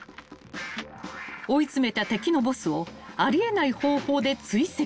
［追い詰めた敵のボスをあり得ない方法で追跡］